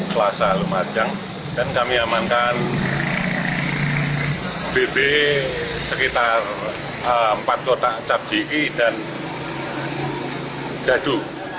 kelasa lumajang dan kami amankan bb sekitar empat kotak capjiki dan jadu